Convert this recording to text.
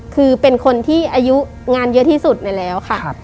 คือเป็นคนที่อายุงานเยอะที่สุดในแล้วค่ะ